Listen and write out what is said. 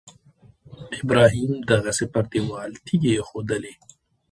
ابراهیم دغسې پر دېوال تیږې ایښودلې.